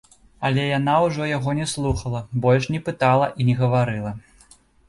Але яна ўжо яго не слухала, больш не пытала і не гаварыла.